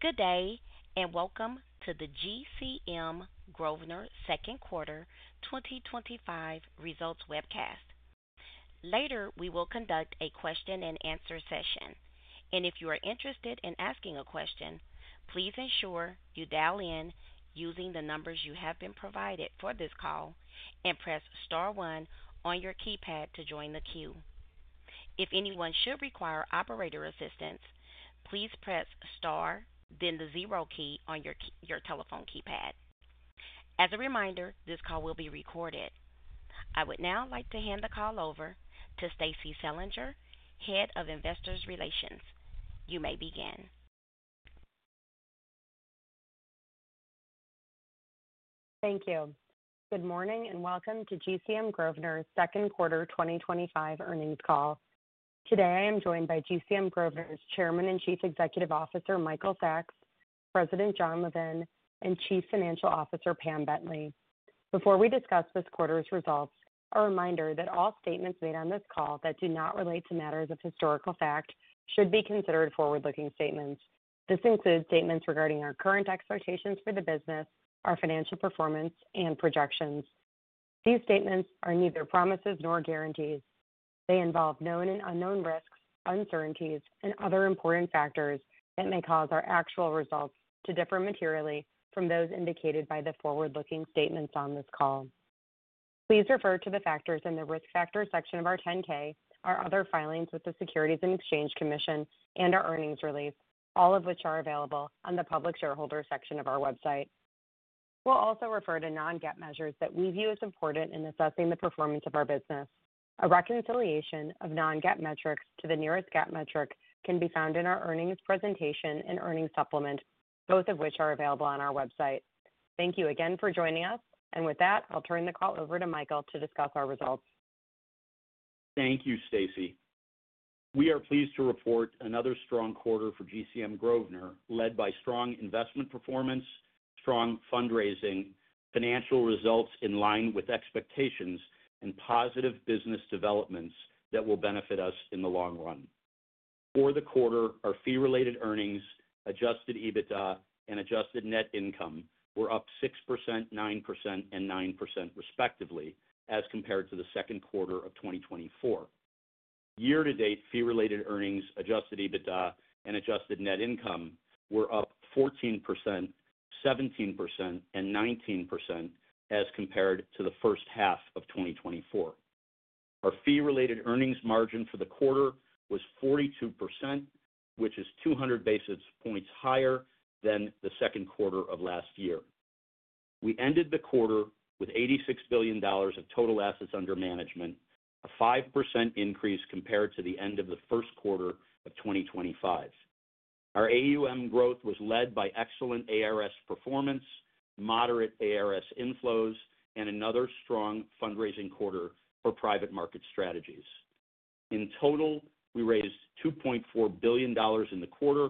Good day and welcome to the GCM Grosvenor Second Quarter 2025 Results Webcast. Later, we will conduct a question and answer session. If you are interested in asking a question, please ensure you dial in using the numbers you have been provided for this call and press star one on your keypad to join the queue. If anyone should require operator assistance, please press star, then the zero key on your telephone keypad. As a reminder, this call will be recorded. I would now like to hand the call over to Stacie Selinger, Head of Investor Relations. You may begin. Thank you. Good morning and welcome to GCM Grosvenor's Second Quarter 2025 Earnings Call. Today, I am joined by GCM Grosvenor's Chairman and Chief Executive Officer, Michael Sacks, President Jon Levin, and Chief Financial Officer, Pam Bentley. Before we discuss this quarter's results, a reminder that all statements made on this call that do not relate to matters of historical fact should be considered forward-looking statements. This includes statements regarding our current expectations for the business, our financial performance, and projections. These statements are neither promises nor guarantees. They involve known and unknown risks, uncertainties, and other important factors that may cause our actual results to differ materially from those indicated by the forward-looking statements on this call. Please refer to the factors in the risk factors section of our 10-K, our other filings with the Securities and Exchange Commission, and our earnings release, all of which are available on the public shareholder section of our website. We will also refer to non-GAAP measures that we view as important in assessing the performance of our business. A reconciliation of non-GAAP metrics to the nearest GAAP metric can be found in our earnings presentation and earnings supplement, both of which are available on our website. Thank you again for joining us. With that, I'll turn the call over to Michael to discuss our results. Thank you, Stacie. We are pleased to report another strong quarter for GCM Grosvenor, led by strong investment performance, strong fundraising, financial results in line with expectations, and positive business developments that will benefit us in the long run. For the quarter, our fee-related earnings, adjusted EBITDA, and adjusted net income were up 6%, 9%, and 9% respectively, as compared to the second quarter of 2024. Year-to-date fee-related earnings, adjusted EBITDA, and adjusted net income were up 14%, 17%, and 19% as compared to the first half of 2024. Our fee-related earnings margin for the quarter was 42%, which is 200 basis points higher than the second quarter of last year. We ended the quarter with $86 billion of total assets under management, a 5% increase compared to the end of the first quarter of 2025. Our AUM growth was led by excellent absolute return strategies performance, moderate absolute return strategies inflows, and another strong fundraising quarter for private market strategies. In total, we raised $2.4 billion in the quarter,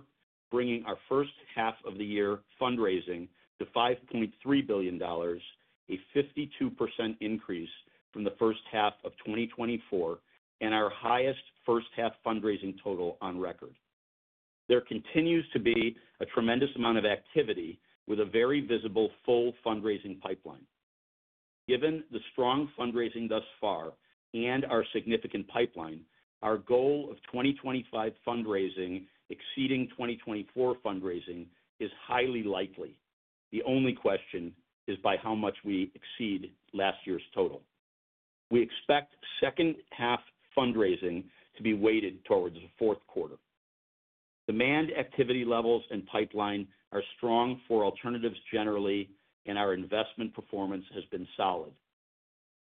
bringing our first half of the year fundraising to $5.3 billion, a 52% increase from the first half of 2024, and our highest first-half fundraising total on record. There continues to be a tremendous amount of activity with a very visible full fundraising pipeline. Given the strong fundraising thus far and our significant pipeline, our goal of 2025 fundraising exceeding 2024 fundraising is highly likely. The only question is by how much we exceed last year's total. We expect second-half fundraising to be weighted towards the fourth quarter. Demand activity levels and pipeline are strong for alternatives generally, and our investment performance has been solid.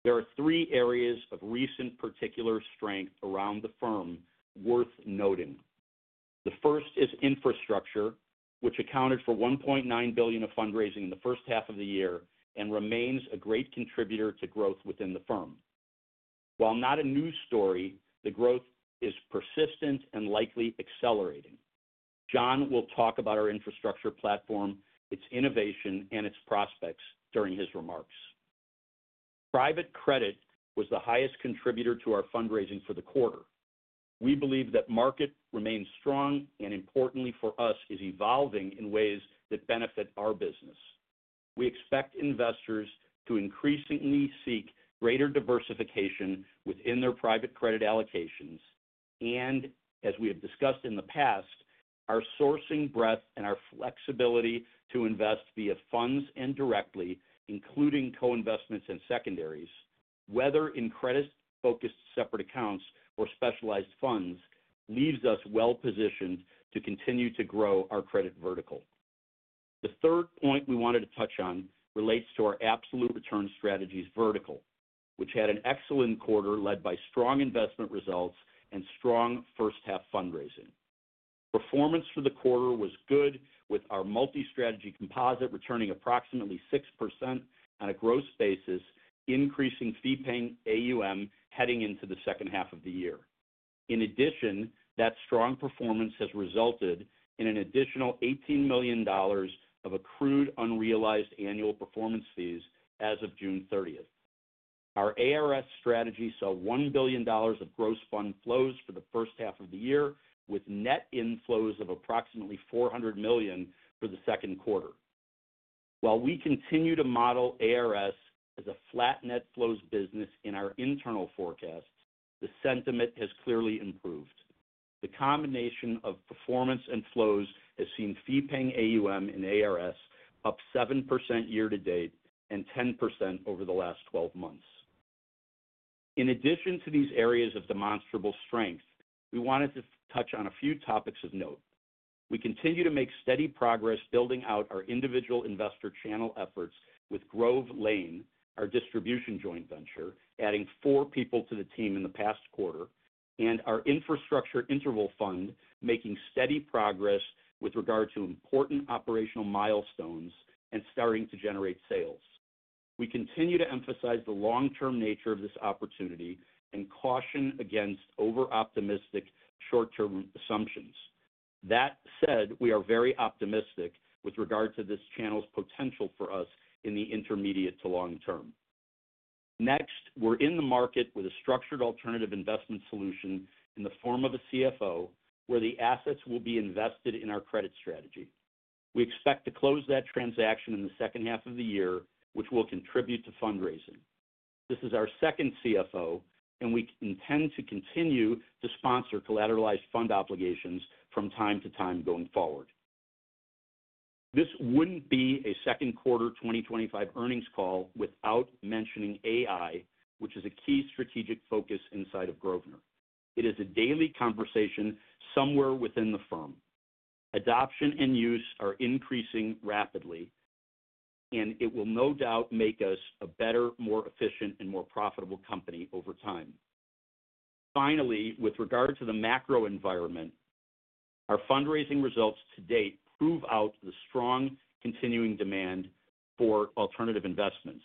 There are three areas of recent particular strength around the firm worth noting. The first is infrastructure, which accounted for $1.9 billion of fundraising in the first half of the year and remains a great contributor to growth within the firm. While not a news story, the growth is persistent and likely accelerating. Jon will talk about our infrastructure platform, its innovation, and its prospects during his remarks. Private credit was the highest contributor to our fundraising for the quarter. We believe that market remains strong and, importantly for us, is evolving in ways that benefit our business. We expect investors to increasingly seek greater diversification within their private credit allocations, and as we have discussed in the past, our sourcing breadth and our flexibility to invest via funds indirectly, including co-investments and secondaries, whether in credit-focused separate accounts or specialized funds, leaves us well-positioned to continue to grow our credit vertical. The third point we wanted to touch on relates to our absolute return strategies vertical, which had an excellent quarter led by strong investment results and strong first-half fundraising. Performance for the quarter was good, with our multi-strategy composite returning approximately 6% on a gross basis, increasing fee-paying AUM heading into the second half of the year. In addition, that strong performance has resulted in an additional $18 million of accrued unrealized annual performance fees as of June 30. Our ARS strategy saw $1 billion of gross fund flows for the first half of the year, with net inflows of approximately $400 million for the second quarter. While we continue to model ARS as a flat net flows business in our internal forecast, the sentiment has clearly improved. The combination of performance and flows has seen fee-paying AUM and ARS up 7% year to date and 10% over the last 12 months. In addition to these areas of demonstrable strength, we wanted to touch on a few topics of note. We continue to make steady progress building out our individual investor channel efforts with Grove Lane, our distribution joint venture, adding four people to the team in the past quarter, and our infrastructure interval fund making steady progress with regard to important operational milestones and starting to generate sales. We continue to emphasize the long-term nature of this opportunity and caution against over-optimistic short-term assumptions. That said, we are very optimistic with regard to this channel's potential for us in the intermediate to long term. Next, we're in the market with a structured alternative investment solution in the form of a CFO, where the assets will be invested in our credit strategy. We expect to close that transaction in the second half of the year, which will contribute to fundraising. This is our second CFO, and we intend to continue to sponsor collateralized fund obligations from time to time going forward. This wouldn't be a second quarter 2025 earnings call without mentioning AI, which is a key strategic focus inside of GCM Grosvenor. It is a daily conversation somewhere within the firm. Adoption and use are increasing rapidly, and it will no doubt make us a better, more efficient, and more profitable company over time. Finally, with regard to the macro environment, our fundraising results to date prove out the strong continuing demand for alternative investments.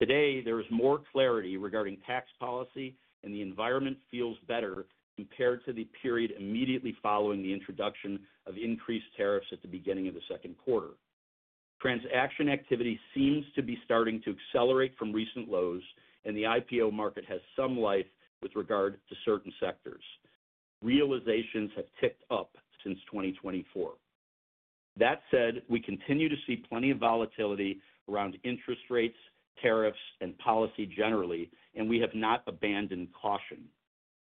Today, there is more clarity regarding tax policy, and the environment feels better compared to the period immediately following the introduction of increased tariffs at the beginning of the second quarter. Transaction activity seems to be starting to accelerate from recent lows, and the IPO market has some life with regard to certain sectors. Realizations have ticked up since 2024. That said, we continue to see plenty of volatility around interest rates, tariffs, and policy generally, and we have not abandoned caution.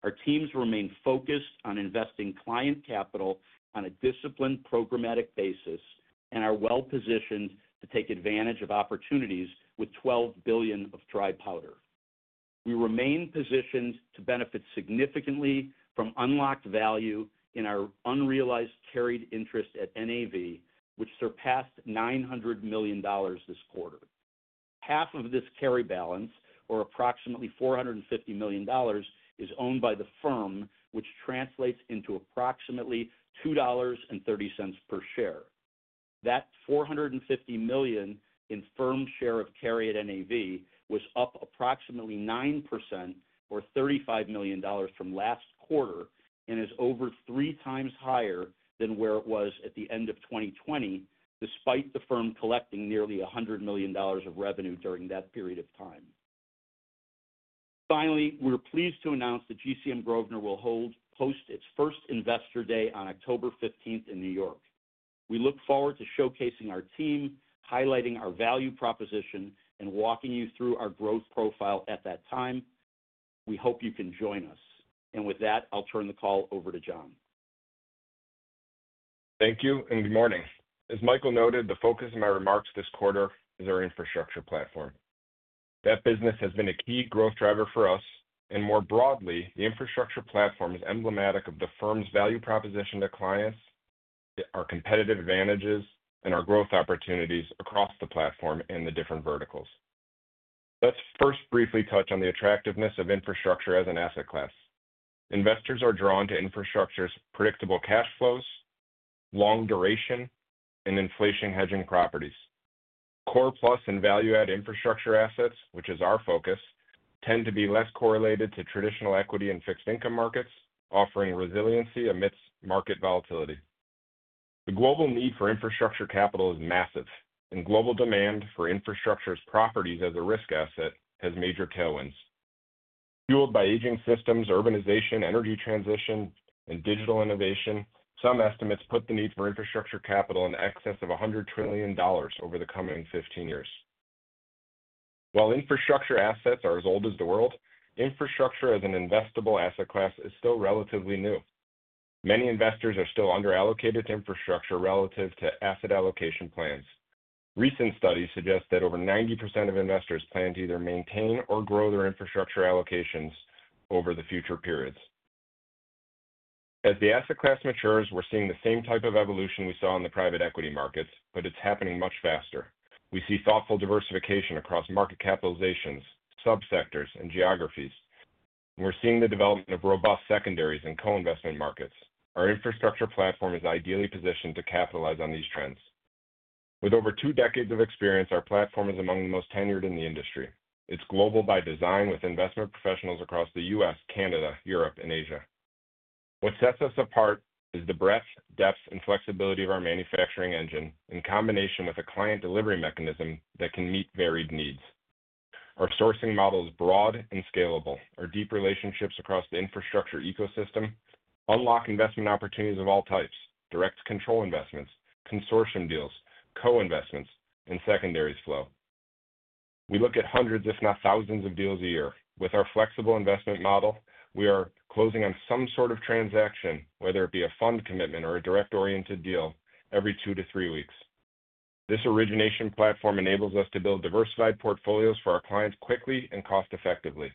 Our teams remain focused on investing client capital on a disciplined programmatic basis and are well-positioned to take advantage of opportunities with $12 billion of dry powder. We remain positioned to benefit significantly from unlocked value in our unrealized carried interest at NAV, which surpassed $900 million this quarter. Half of this carry balance, or approximately $450 million, is owned by the firm, which translates into approximately $2.30 per share. That $450 million in firm share of carry at NAV was up approximately 9%, or $35 million, from last quarter and is over three times higher than where it was at the end of 2020, despite the firm collecting nearly $100 million of revenue during that period of time. Finally, we're pleased to announce that GCM Grosvenor will hold its first investor day on October 15 in New York. We look forward to showcasing our team, highlighting our value proposition, and walking you through our growth profile at that time. We hope you can join us. With that, I'll turn the call over to Jon. Thank you and good morning. As Michael noted, the focus of my remarks this quarter is our infrastructure platform. That business has been a key growth driver for us, and more broadly, the infrastructure platform is emblematic of the firm's value proposition to clients, our competitive advantages, and our growth opportunities across the platform in the different verticals. Let's first briefly touch on the attractiveness of infrastructure as an asset class. Investors are drawn to infrastructure's predictable cash flows, long duration, and inflation-hedging properties. Core plus and value-add infrastructure assets, which is our focus, tend to be less correlated to traditional equity and fixed income markets, offering resiliency amidst market volatility. The global need for infrastructure capital is massive, and global demand for infrastructure's properties as a risk asset has major tailwinds. Fueled by aging systems, urbanization, energy transition, and digital innovation, some estimates put the need for infrastructure capital in excess of $100 trillion over the coming 15 years. While infrastructure assets are as old as the world, infrastructure as an investable asset class is still relatively new. Many investors are still underallocated to infrastructure relative to asset allocation plans. Recent studies suggest that over 90% of investors plan to either maintain or grow their infrastructure allocations over the future periods. As the asset class matures, we're seeing the same type of evolution we saw in the private equity markets, but it's happening much faster. We see thoughtful diversification across market capitalizations, subsectors, and geographies. We're seeing the development of robust secondaries and co-investment markets. Our infrastructure platform is ideally positioned to capitalize on these trends. With over two decades of experience, our platform is among the most tenured in the industry. It's global by design with investment professionals across the U.S., Canada, Europe, and Asia. What sets us apart is the breadth, depth, and flexibility of our manufacturing engine in combination with a client delivery mechanism that can meet varied needs. Our sourcing model is broad and scalable. Our deep relationships across the infrastructure ecosystem unlock investment opportunities of all types: direct control investments, consortium deals, co-investments, and secondaries flow. We look at hundreds, if not thousands, of deals a year. With our flexible investment model, we are closing on some sort of transaction, whether it be a fund commitment or a direct-oriented deal, every two to three weeks. This origination platform enables us to build diversified portfolios for our clients quickly and cost-effectively.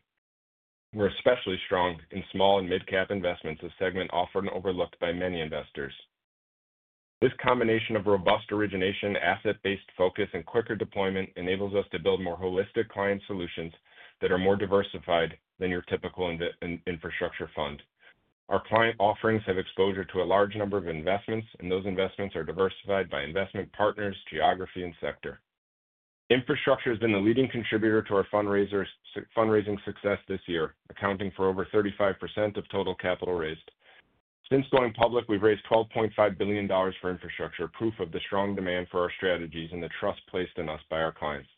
We're especially strong in small and mid-cap investments, a segment often overlooked by many investors. This combination of robust origination, asset-based focus, and quicker deployment enables us to build more holistic client solutions that are more diversified than your typical infrastructure fund. Our client offerings have exposure to a large number of investments, and those investments are diversified by investment partners, geography, and sector. Infrastructure has been the leading contributor to our fundraising success this year, accounting for over 35% of total capital raised. Since going public, we've raised $12.5 billion for infrastructure, proof of the strong demand for our strategies and the trust placed in us by our clients.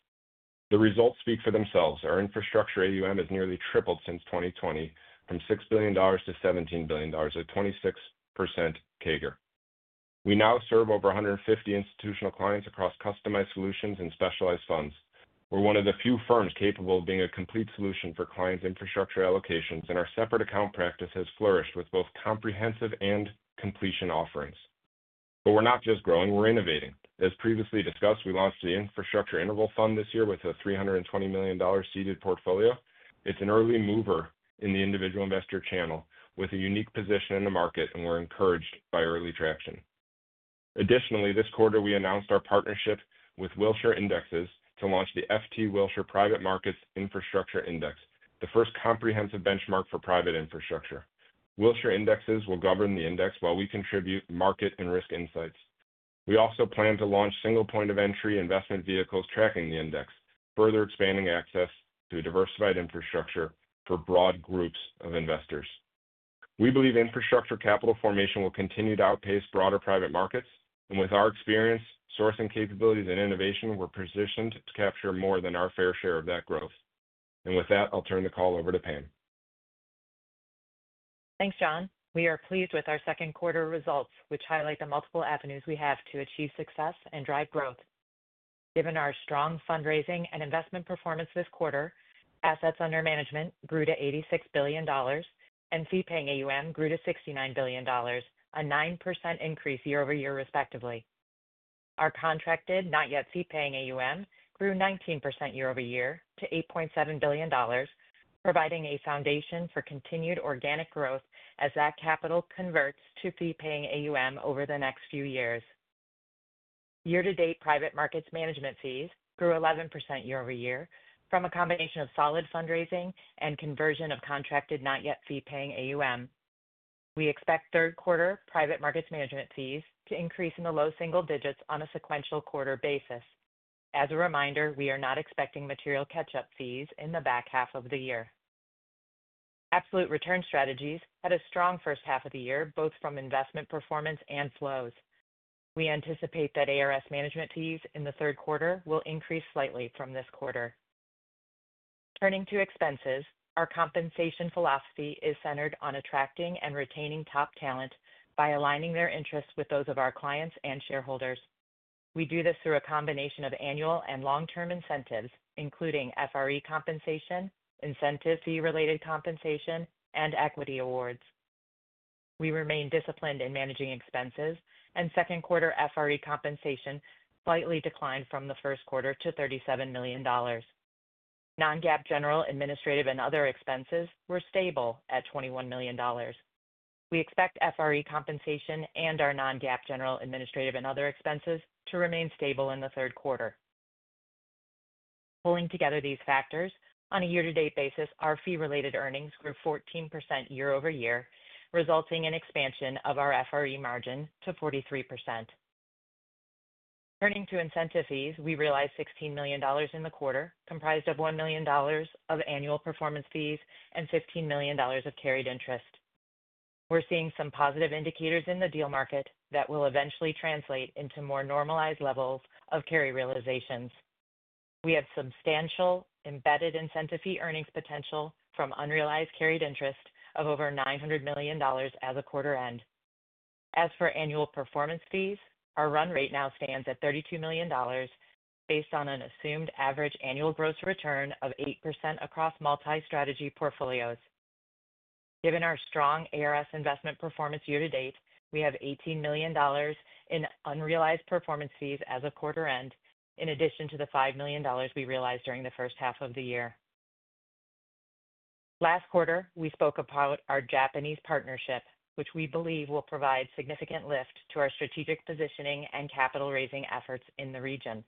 The results speak for themselves. Our infrastructure AUM has nearly tripled since 2020, from $6 billion to $17 billion, a 26% CAGR. We now serve over 150 institutional clients across customized solutions and specialized funds. We're one of the few firms capable of being a complete solution for clients' infrastructure allocations, and our separate account practice has flourished with both comprehensive and completion offerings. We are not just growing; we are innovating. As previously discussed, we launched the infrastructure interval fund this year with a $320 million seeded portfolio. It's an early mover in the individual investor channel with a unique position in the market, and we're encouraged by early traction. Additionally, this quarter, we announced our partnership with Wilshire Indexes to launch the FT Wilshire Private Markets Infrastructure Index, the first comprehensive benchmark for private infrastructure. Wilshire Indexes will govern the index while we contribute market and risk insights. We also plan to launch single point of entry investment vehicles tracking the index, further expanding access to a diversified infrastructure for broad groups of investors. We believe infrastructure capital formation will continue to outpace broader private markets, and with our experience, sourcing capabilities, and innovation, we're positioned to capture more than our fair share of that growth. With that, I'll turn the call over to Pam. Thanks, Jon. We are pleased with our second quarter results, which highlight the multiple avenues we have to achieve success and drive growth. Given our strong fundraising and investment performance this quarter, assets under management grew to $86 billion, and fee-paying AUM grew to $69 billion, a 9% increase year over year, respectively. Our contracted not yet fee-paying AUM grew 19% year-over-year to $8.7 billion, providing a foundation for continued organic growth as that capital converts to fee-paying AUM over the next few years. Year-to-date private markets management fees grew 11% year over year from a combination of solid fundraising and conversion of contracted not yet fee-paying AUM. We expect third-quarter private markets management fees to increase in the low single digits on a sequential quarter basis. As a reminder, we are not expecting material catch-up fees in the back half of the year. Absolute return strategies had a strong first half of the year, both from investment performance and flows. We anticipate that ARS management fees in the third quarter will increase slightly from this quarter. Turning to expenses, our compensation philosophy is centered on attracting and retaining top talent by aligning their interests with those of our clients and shareholders. We do this through a combination of annual and long-term incentives, including FRE compensation, incentive fee-related compensation, and equity awards. We remain disciplined in managing expenses, and second-quarter FRE compensation slightly declined from the first quarter to $37 million. Non-GAAP general administrative and other expenses were stable at $21 million. We expect FRE compensation and our non-GAAP general administrative and other expenses to remain stable in the third quarter. Pulling together these factors, on a year-to-date basis, our fee-related earnings grew 14% year over year, resulting in expansion of our FRE margin to 43%. Turning to incentive fees, we realized $16 million in the quarter, comprised of $1 million of annual performance fees and $15 million of carried interest. We're seeing some positive indicators in the deal market that will eventually translate into more normalized levels of carry realizations. We have substantial embedded incentive fee earnings potential from unrealized carried interest of over $900 million as a quarter end. As for annual performance fees, our run rate now stands at $32 million, based on an assumed average annual gross return of 8% across multi-strategy portfolios. Given our strong ARS investment performance year to date, we have $18 million in unrealized performance fees as of quarter end, in addition to the $5 million we realized during the first half of the year. Last quarter, we spoke about our Japanese partnership, which we believe will provide a significant lift to our strategic positioning and capital raising efforts in the region.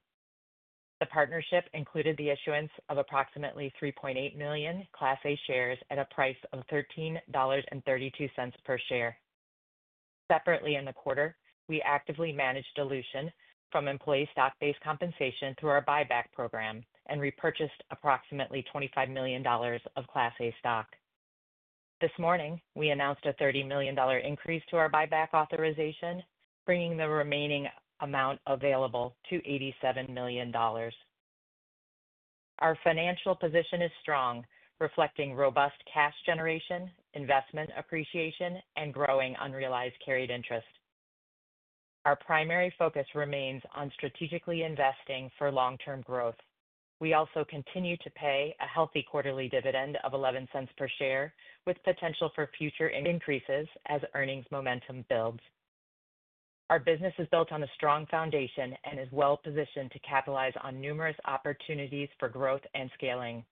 The partnership included the issuance of approximately 3.8 million Class A shares at a price of $13.32 per share. Separately in the quarter, we actively managed dilution from employee stock-based compensation through our buyback program and repurchased approximately $25 million of Class A stock. This morning, we announced a $30 million increase to our buyback authorization, bringing the remaining amount available to $87 million. Our financial position is strong, reflecting robust cash generation, investment appreciation, and growing unrealized carried interest. Our primary focus remains on strategically investing for long-term growth. We also continue to pay a healthy quarterly dividend of $0.11 per share, with potential for future increases as earnings momentum builds. Our business is built on a strong foundation and is well-positioned to capitalize on numerous opportunities for growth and scaling.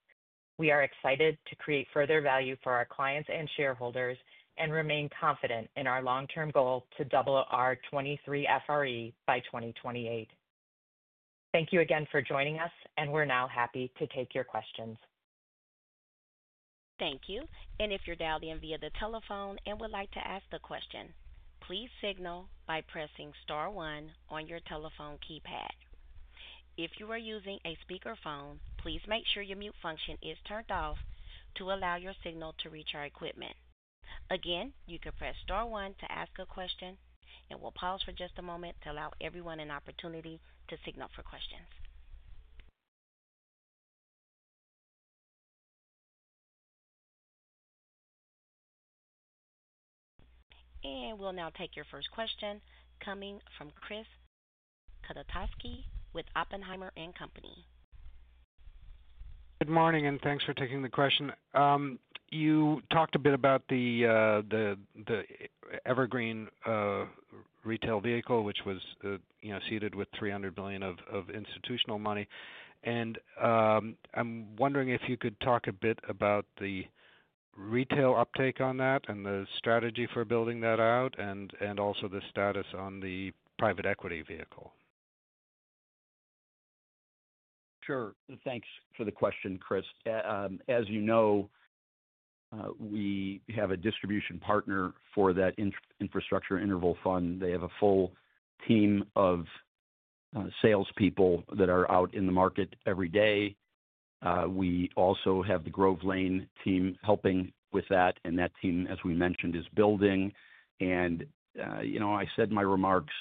We are excited to create further value for our clients and shareholders and remain confident in our long-term goal to double our 2023 FRE by 2028. Thank you again for joining us, and we're now happy to take your questions. Thank you. If you're dialed in via the telephone and would like to ask a question, please signal by pressing star one on your telephone keypad. If you are using a speakerphone, please make sure your mute function is turned off to allow your signal to reach our equipment. Again, you can press star one to ask a question. We'll pause for just a moment to allow everyone an opportunity to signal for questions. We'll now take your first question coming from Chris Kotowski with Oppenheimer. Good morning, and thanks for taking the question. You talked a bit about the Evergreen retail vehicle, which was seeded with $300 million of institutional money. I'm wondering if you could talk a bit about the retail uptake on that and the strategy for building that out, and also the status on the private equity vehicle. Sure. Thanks for the question, Chris. As you know, we have a distribution partner for that infrastructure interval fund. They have a full team of salespeople that are out in the market every day. We also have the Grove Lane team helping with that, and that team, as we mentioned, is building. As I said in my remarks,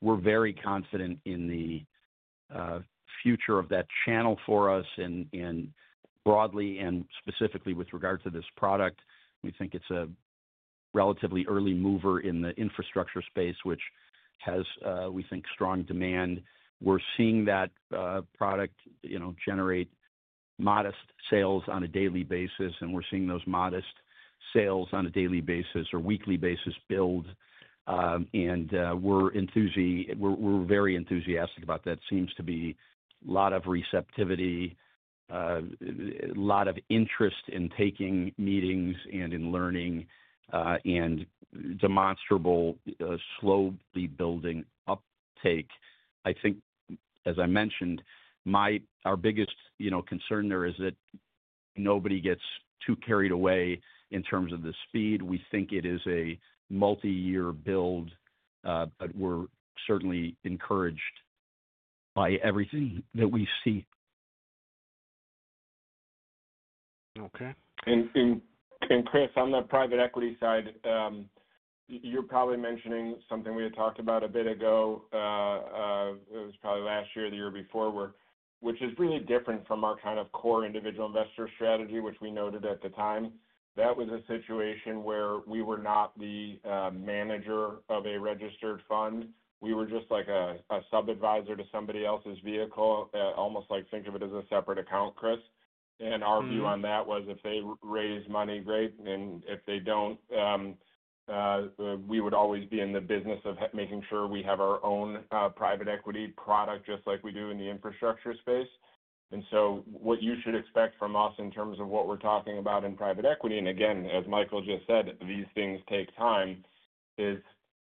we're very confident in the future of that channel for us and broadly and specifically with regard to this product. We think it's a relatively early mover in the infrastructure space, which has, we think, strong demand. We're seeing that product generate modest sales on a daily basis, and we're seeing those modest sales on a daily or weekly basis build. We're very enthusiastic about that. It seems to be a lot of receptivity, a lot of interest in taking meetings and in learning, and demonstrable, slowly building uptake. I think, as I mentioned, our biggest concern there is that nobody gets too carried away in terms of the speed. We think it is a multi-year build, but we're certainly encouraged by everything that we see. Okay. Chris, on that private equity side, you're probably mentioning something we had talked about a bit ago. It was probably last year, the year before, which is really different from our kind of core individual investor strategy, which we noted at the time. That was a situation where we were not the manager of a registered fund. We were just like a sub-advisor to somebody else's vehicle, almost like think of it as a separate account, Chris. Our view on that was if they raise money, great, and if they don't, we would always be in the business of making sure we have our own private equity product just like we do in the infrastructure space. What you should expect from us in terms of what we're talking about in private equity, and again, as Michael just said, these things take time, is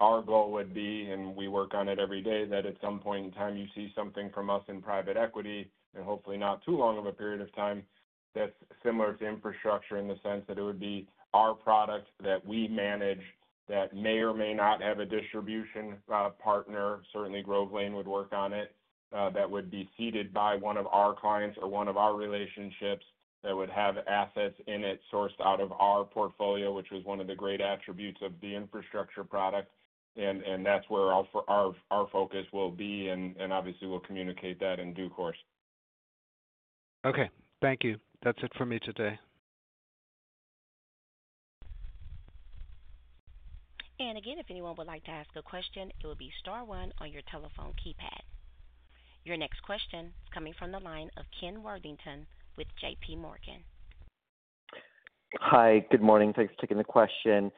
our goal would be, and we work on it every day, that at some point in time you see something from us in private equity, and hopefully not too long of a period of time, that's similar to infrastructure in the sense that it would be our product that we manage that may or may not have a distribution partner. Certainly, Grove Lane would work on it, that would be seeded by one of our clients or one of our relationships that would have assets in it sourced out of our portfolio, which was one of the great attributes of the infrastructure product. That's where our focus will be, and obviously, we'll communicate that in due course. Okay, thank you. That's it for me today. If anyone would like to ask a question, it will be star one on your telephone keypad. Your next question is coming from the line of Ken Worthington with J.P. Morgan. Hi. Good morning. Thanks for taking the question.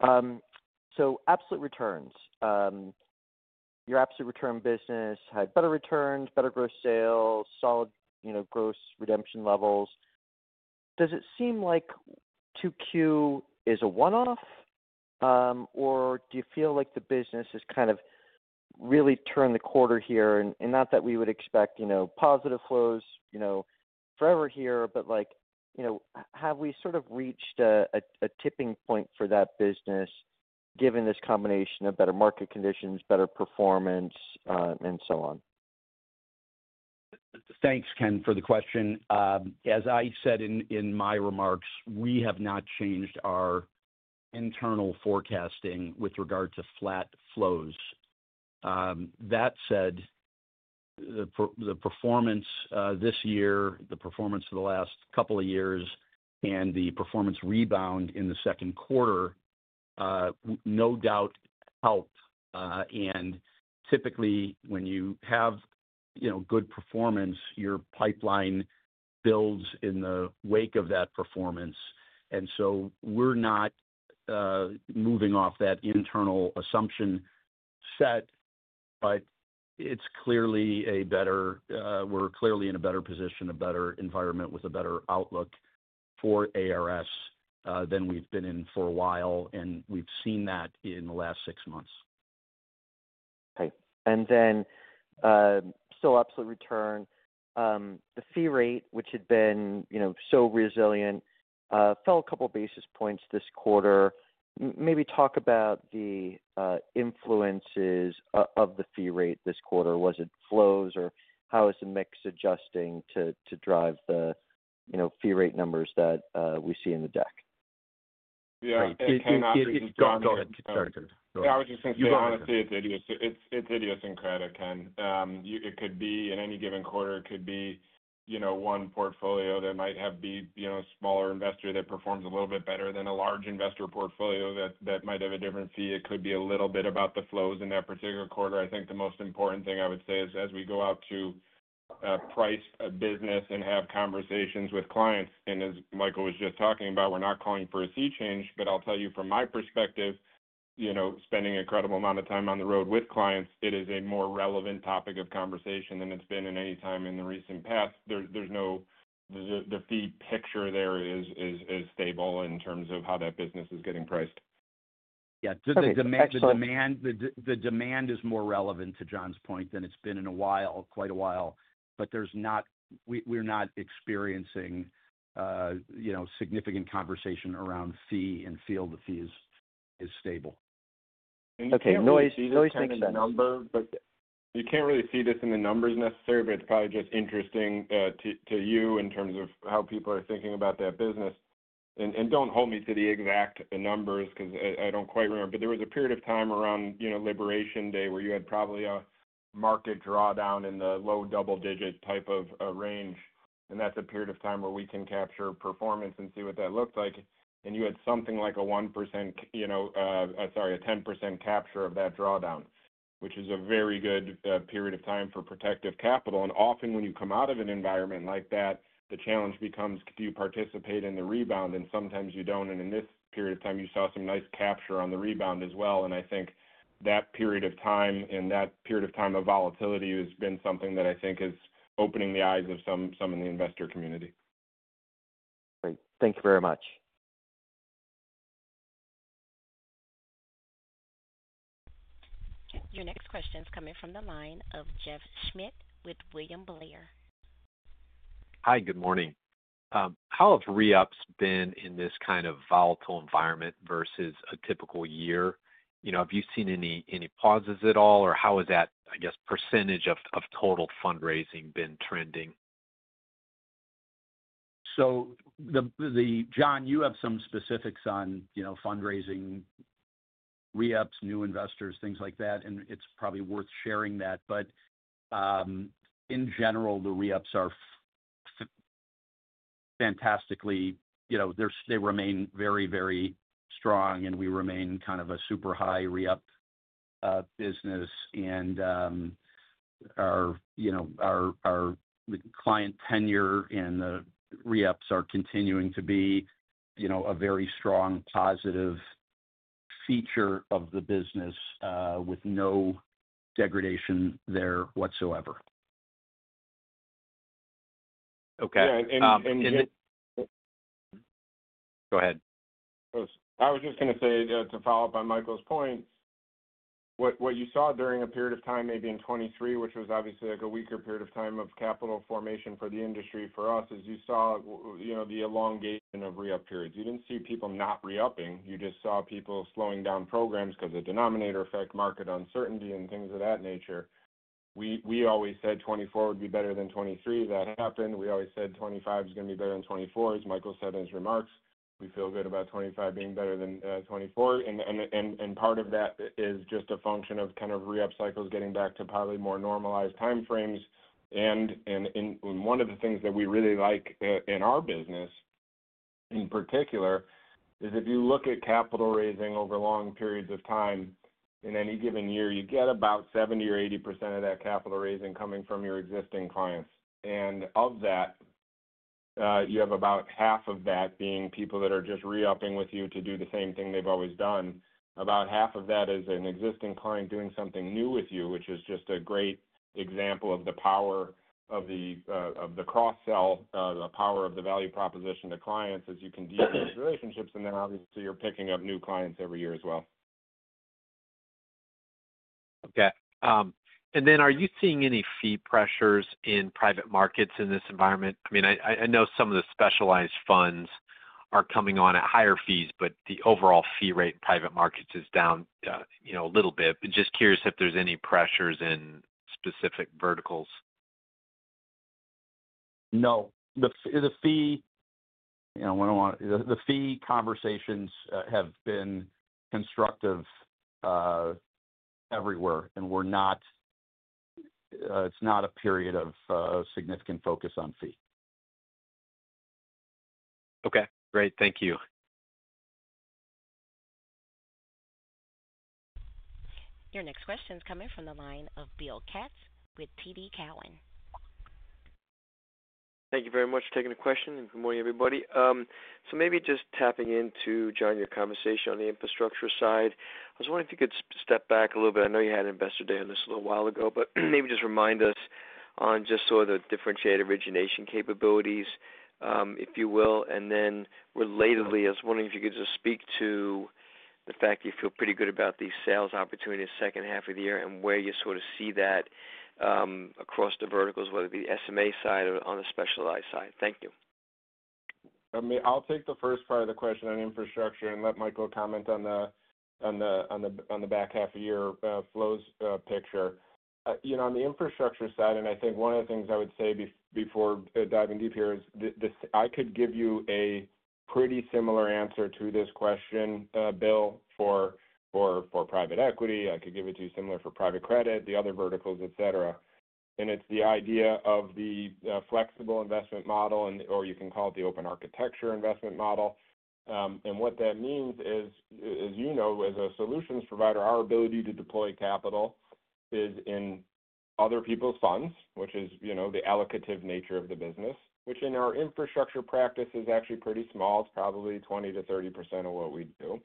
Your absolute return business had better returns, better gross sales, solid gross redemption levels. Does it seem like Q2 is a one-off, or do you feel like the business has kind of really turned the corner here? Not that we would expect positive flows forever here, but, you know, have we sort of reached a tipping point for that business given this combination of better market conditions, better performance, and so on? Thanks, Ken, for the question. As I said in my remarks, we have not changed our internal forecasting with regard to flat flows. That said, the performance this year, the performance of the last couple of years, and the performance rebound in the second quarter, no doubt, help. Typically, when you have good performance, your pipeline builds in the wake of that performance. We are not moving off that internal assumption set, but it's clearly a better position, a better environment with a better outlook for ARS than we've been in for a while, and we've seen that in the last six months. Okay. Still absolute return. The fee rate, which had been so resilient, fell a couple of basis points this quarter. Maybe talk about the influences of the fee rate this quarter. Was it flows, or how is the mix adjusting to drive the fee rate numbers that we see in the deck? Yeah. Ken, I'll just say it's idiosyncratic, Ken. It could be in any given quarter. It could be one portfolio that might have a smaller investor that performs a little bit better than a large investor portfolio that might have a different fee. It could be a little bit about the flows in that particular quarter. I think the most important thing I would say is as we go out to price a business and have conversations with clients, and as Michael was just talking about, we're not calling for a sea change. I'll tell you from my perspective, you know, spending an incredible amount of time on the road with clients, it is a more relevant topic of conversation than it's been in any time in the recent past. There's no—the fee picture there is stable in terms of how that business is getting priced. Yeah. The demand is more relevant to Jon's point than it's been in a while, quite a while, but we're not experiencing significant conversation around fee, and feel the fee is stable. You can't really see this in the numbers, necessarily, but it's probably just interesting to you in terms of how people are thinking about that business. Don't hold me to the exact numbers because I don't quite remember, but there was a period of time around Liberation Day where you had probably a market drawdown in the low double-digit type of range. That's a period of time where we can capture performance and see what that looked like. You had something like a 1%, sorry, a 10% capture of that drawdown, which is a very good period of time for protective capital. Often, when you come out of an environment like that, the challenge becomes, do you participate in the rebound? Sometimes you don't. In this period of time, you saw some nice capture on the rebound as well. I think that period of time and that period of time of volatility has been something that I think is opening the eyes of some in the investor community. Great, thank you very much. Your next question is coming from the line of Jeff Schmidt with William Blair. Hi. Good morning. How have re-ups been in this kind of volatile environment versus a typical year? Have you seen any pauses at all, or how has that percentage of total fundraising been trending? Jon, you have some specifics on fundraising, re-ups, new investors, things like that, and it's probably worth sharing that. In general, the re-ups are fantastic, you know, they remain very, very strong, and we remain kind of a super high re-up business. Our client tenure and the re-ups are continuing to be a very strong positive feature of the business with no degradation there whatsoever. Okay. Yeah. And. Go ahead. I was just going to say, to follow up on Michael's point, what you saw during a period of time maybe in 2023, which was obviously like a weaker period of time of capital formation for the industry, for us, is you saw the elongation of re-up periods. You didn't see people not re-upping. You just saw people slowing down programs because of the denominator effect, market uncertainty, and things of that nature. We always said 2024 would be better than 2023. That happened. We always said 2025 is going to be better than 2024, as Michael said in his remarks. We feel good about 2025 being better than 2024. Part of that is just a function of kind of re-up cycles getting back to probably more normalized time frames. One of the things that we really like in our business in particular is if you look at capital raising over long periods of time in any given year, you get about 70% or 80% of that capital raising coming from your existing clients. Of that, you have about half of that being people that are just re-upping with you to do the same thing they've always done. About half of that is an existing client doing something new with you, which is just a great example of the power of the cross-sell, the power of the value proposition to clients as you can deepen these relationships. Obviously, you're picking up new clients every year as well. Okay. Are you seeing any fee pressures in private markets in this environment? I know some of the specialized funds are coming on at higher fees, but the overall fee rate in private markets is down a little bit. I'm just curious if there's any pressures in specific verticals. No. The fee conversations have been constructive everywhere, and it's not a period of significant focus on fee. Okay. Great. Thank you. Your next question is coming from the line of Bill Katz with TD Cowen. Thank you very much for taking the question and good morning, everybody. Maybe just tapping into, Jon, your conversation on the infrastructure side, I was wondering if you could step back a little bit. I know you had an investor day on this a little while ago, but maybe just remind us on just sort of the differentiated origination capabilities, if you will. Relatedly, I was wondering if you could just speak to the fact that you feel pretty good about these sales opportunities second half of the year and where you sort of see that across the verticals, whether it be the SMA side or on the specialized side. Thank you. I mean, I'll take the first part of the question on infrastructure and let Michael comment on the back half of the year flows picture. On the infrastructure side, and I think one of the things I would say before diving deep here is I could give you a pretty similar answer to this question, Bill, for private equity. I could give it to you similar for private credit, the other verticals, etc. It's the idea of the flexible investment model, or you can call it the open architecture investment model. What that means is, as you know, as a solutions provider, our ability to deploy capital is in other people's funds, which is the allocative nature of the business, which in our infrastructure practice is actually pretty small. It's probably 20%-30% of what we do.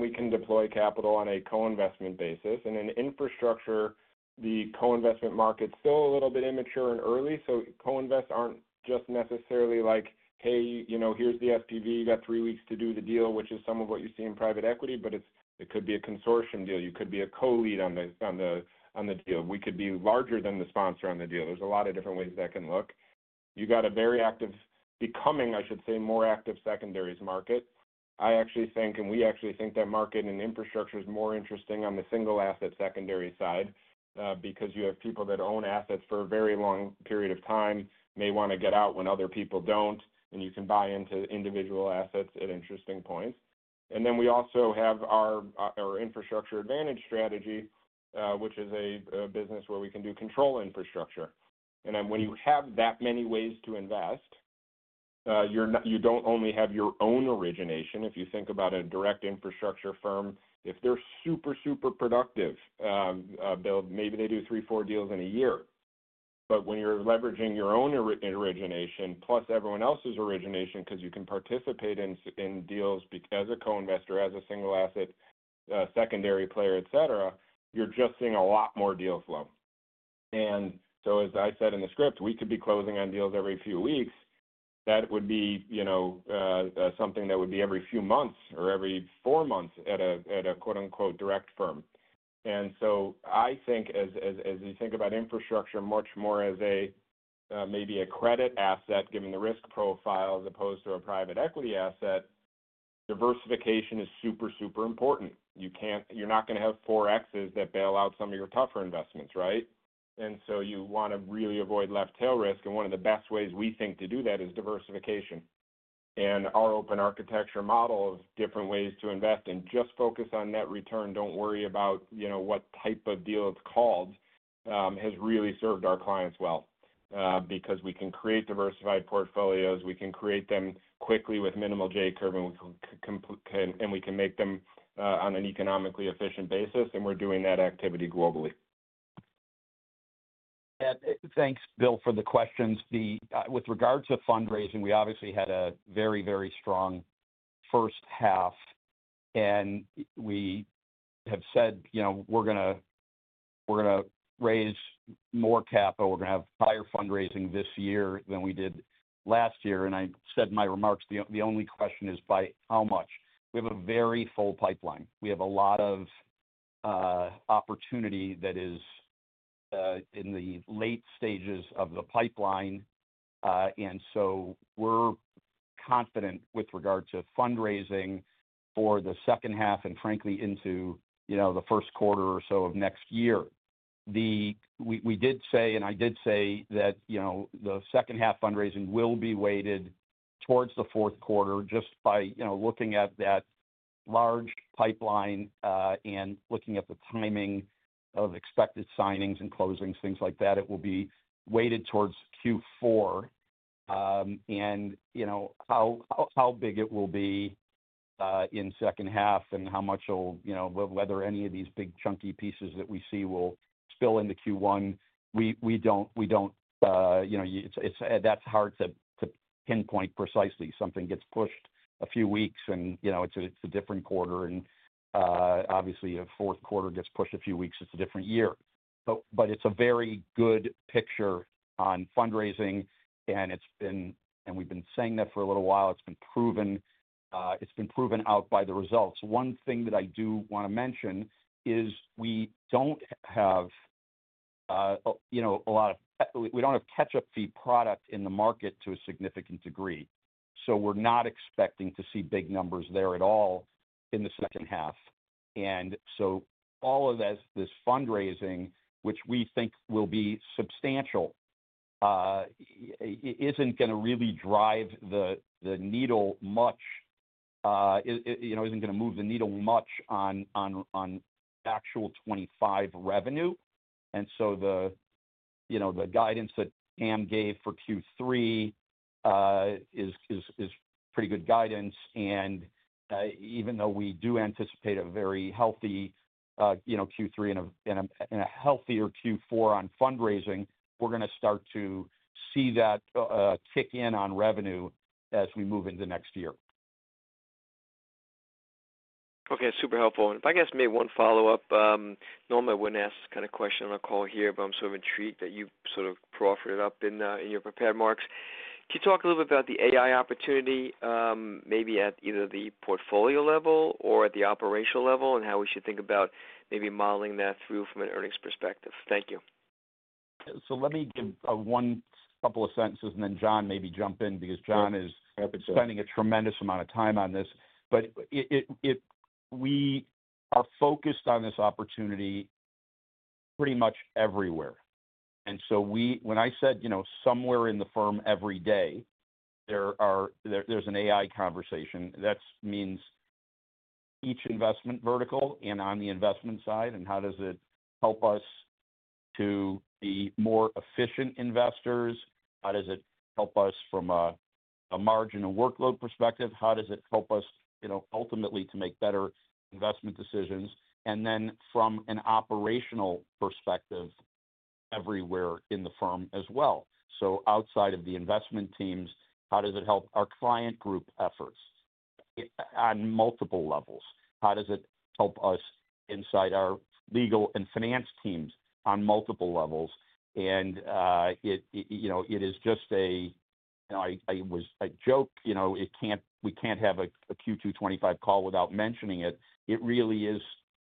We can deploy capital on a co-investment basis. In infrastructure, the co-investment market is still a little bit immature and early. Co-invests aren't just necessarily like, "Hey, you know, here's the SPV. You got three weeks to do the deal," which is some of what you see in private equity, but it could be a consortium deal. You could be a co-lead on the deal. We could be larger than the sponsor on the deal. There's a lot of different ways that can look. You got a very active, becoming, I should say, more active secondaries market. I actually think, and we actually think, that market in infrastructure is more interesting on the single asset secondary side because you have people that own assets for a very long period of time, may want to get out when other people don't, and you can buy into individual assets at interesting points. We also have our infrastructure advantage strategy, which is a business where we can do control infrastructure. When you have that many ways to invest, you don't only have your own origination. If you think about a direct infrastructure firm, if they're super, super productive, Bill, maybe they do three, four deals in a year. When you're leveraging your own origination plus everyone else's origination because you can participate in deals as a co-investor, as a single asset secondary player, etc., you're just seeing a lot more deal flow. As I said in the script, we could be closing on deals every few weeks. That would be, you know, something that would be every few months or every four months at a, quote-unquote, "direct firm." I think as you think about infrastructure much more as maybe a credit asset, given the risk profile as opposed to a private equity asset, diversification is super, super important. You can't, you're not going to have 4Xs that bail out some of your tougher investments, right? You want to really avoid left tail risk. One of the best ways we think to do that is diversification. Our open architecture model of different ways to invest and just focus on net return, don't worry about, you know, what type of deal it's called, has really served our clients well, because we can create diversified portfolios. We can create them quickly with minimal J-curve, and we can make them on an economically efficient basis. We're doing that activity globally. Thanks, Bill, for the questions. With regard to fundraising, we obviously had a very, very strong first half. We have said, you know, we're going to raise more capital. We're going to have higher fundraising this year than we did last year. As I said in my remarks, the only question is by how much. We have a very full pipeline. We have a lot of opportunity that is in the late stages of the pipeline, so we're confident with regard to fundraising for the second half and frankly into, you know, the first quarter or so of next year. We did say, and I did say, that the second half fundraising will be weighted towards the fourth quarter just by looking at that large pipeline and looking at the timing of expected signings and closings, things like that. It will be weighted towards Q4. How big it will be in the second half and how much will, you know, whether any of these big chunky pieces that we see will spill into Q1, that's hard to pinpoint precisely. Something gets pushed a few weeks, and it's a different quarter. Obviously, a fourth quarter gets pushed a few weeks, it's a different year. It's a very good picture on fundraising, and we've been saying that for a little while. It's been proven. It's been proven out by the results. One thing that I do want to mention is we don't have a lot of, we don't have catch-up fee product in the market to a significant degree, so we're not expecting to see big numbers there at all in the second half. All of this fundraising, which we think will be substantial, isn't going to really drive the needle much, isn't going to move the needle much on actual 2025 revenue. The guidance that Pam gave for Q3 is pretty good guidance. Even though we do anticipate a very healthy Q3 and a healthier Q4 on fundraising, we're going to start to see that kick in on revenue as we move into next year. Okay. Super helpful. If I guess maybe one follow-up, normally I wouldn't ask this kind of question on a call here, but I'm sort of intrigued that you sort of proffered it up in your prepared marks. Can you talk a little bit about the AI opportunity, maybe at either the portfolio level or at the operational level, and how we should think about maybe modeling that through from an earnings perspective? Thank you. Let me give one couple of sentences, and then Jon maybe jump in because Jon is spending a tremendous amount of time on this. We are focused on this opportunity pretty much everywhere. When I said, you know, somewhere in the firm every day, there's an AI conversation, that means each investment vertical and on the investment side, and how does it help us to be more efficient investors? How does it help us from a margin and workload perspective? How does it help us, you know, ultimately to make better investment decisions? From an operational perspective everywhere in the firm as well, outside of the investment teams, how does it help our client group efforts on multiple levels? How does it help us inside our legal and finance teams on multiple levels? It is just a, you know, I always joke, you know, we can't have a Q2 2025 call without mentioning it. It really is,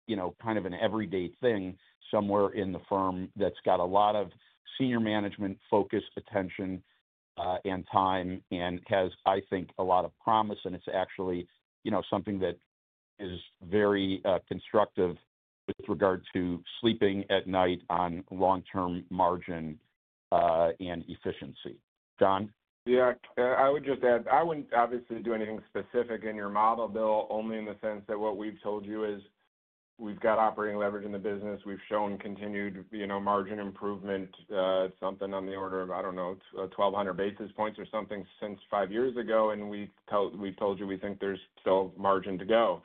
you know, kind of an everyday thing somewhere in the firm that's got a lot of senior management focus, attention, and time, and has, I think, a lot of promise. It's actually, you know, something that is very constructive with regard to sleeping at night on long-term margin and efficiency. Jon? Yeah. I would just add, I wouldn't obviously do anything specific in your model, Bill, only in the sense that what we've told you is we've got operating leverage in the business. We've shown continued margin improvement, something on the order of, I don't know, 1,200 basis points or something since five years ago. We've told you we think there's still margin to go.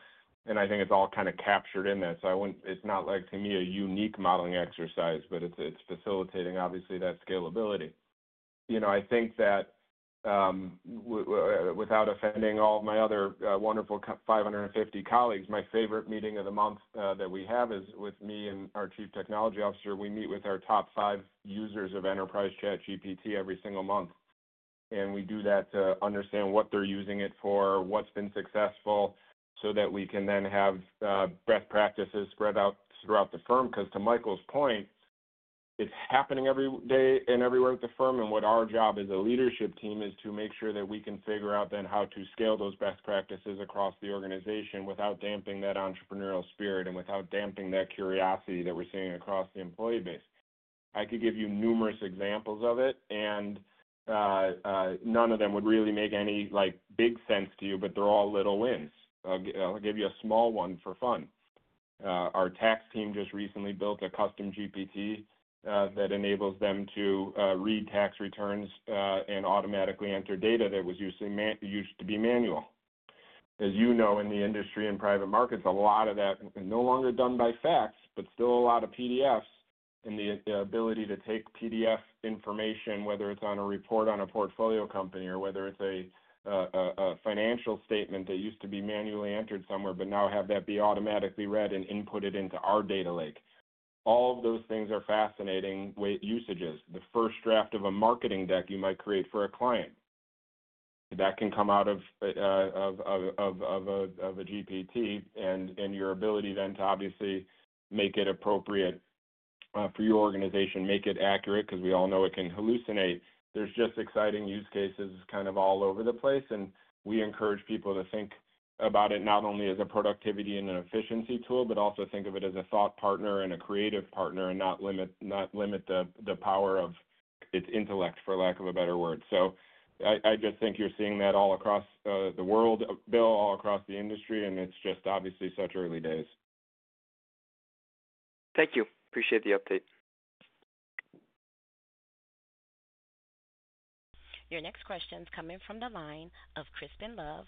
I think it's all kind of captured in that. I wouldn't, it's not like, to me, a unique modeling exercise, but it's facilitating, obviously, that scalability. I think that without offending all of my other wonderful 550 colleagues, my favorite meeting of the month that we have is with me and our Chief Technology Officer. We meet with our top five users of enterprise ChatGPT every single month. We do that to understand what they're using it for, what's been successful, so that we can then have best practices spread out throughout the firm. Because to Michael's point, it's happening every day and everywhere at the firm. What our job as a leadership team is to make sure that we can figure out then how to scale those best practices across the organization without damping that entrepreneurial spirit and without damping that curiosity that we're seeing across the employee base. I could give you numerous examples of it, and none of them would really make any big sense to you, but they're all little wins. I'll give you a small one for fun. Our tax team just recently built a custom GPT that enables them to read tax returns and automatically enter data that used to be manual. As you know, in the industry and private markets, a lot of that is no longer done by fax, but still a lot of PDFs and the ability to take PDF information, whether it's on a report on a portfolio company or whether it's a financial statement that used to be manually entered somewhere, but now have that be automatically read and inputted into our data lake. All of those things are fascinating. Usages, the first draft of a marketing deck you might create for a client, that can come out of a GPT and your ability then to obviously make it appropriate for your organization, make it accurate because we all know it can hallucinate. There are just exciting use cases kind of all over the place. We encourage people to think about it not only as a productivity and an efficiency tool, but also think of it as a thought partner and a creative partner and not limit the power of its intellect, for lack of a better word. I just think you're seeing that all across the world, Bill, all across the industry, and it's just obviously such early days. Thank you. Appreciate the update. Your next question is coming from the line of Crispin Love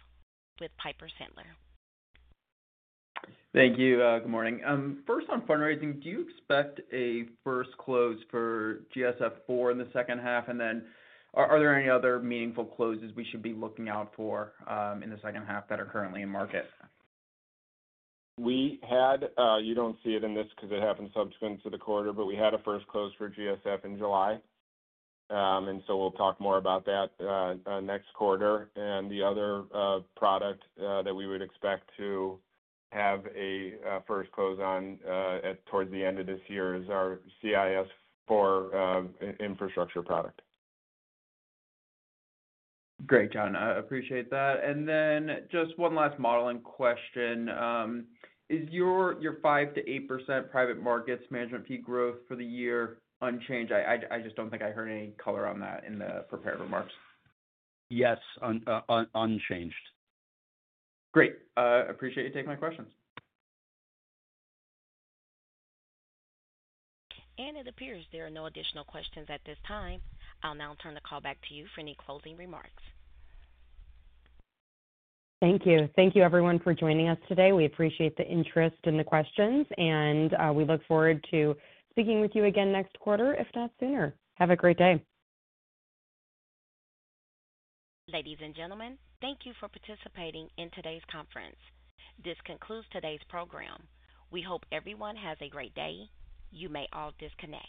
with Piper Sandler. Thank you. Good morning. First, on fundraising, do you expect a first close for GSF4 in the second half? Are there any other meaningful closes we should be looking out for in the second half that are currently in market? We had, you don't see it in this because it happened subsequent to the quarter, but we had a first close for GSF in July. We'll talk more about that next quarter. The other product that we would expect to have a first close on towards the end of this year is our CIS for infrastructure product. Great, Jon. I appreciate that. Just one last modeling question. Is your 5% to 8% private markets management fee growth for the year unchanged? I just don't think I heard any color on that in the prepared remarks. Yes, unchanged. Great. I appreciate you taking my questions. It appears there are no additional questions at this time. I'll now turn the call back to you for any closing remarks. Thank you. Thank you, everyone, for joining us today. We appreciate the interest and the questions, and we look forward to speaking with you again next quarter, if not sooner. Have a great day. Ladies and gentlemen, thank you for participating in today's conference. This concludes today's program. We hope everyone has a great day. You may all disconnect.